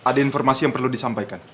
ada informasi yang perlu disampaikan